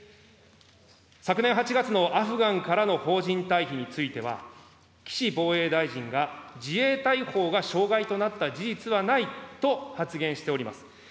昨年８月のアフガンからの邦人退避については、岸防衛大臣が自衛隊法が障害となった事実はないと発言しております。